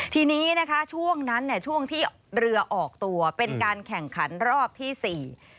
ทีนี้นะคะช่วงนั้นเนี่ยช่วงที่เรือออกตัวเป็นการแข่งขันรอบที่สี่